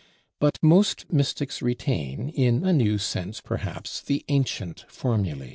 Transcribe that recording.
But most mystics retain, in a new sense perhaps, the ancient formulæ.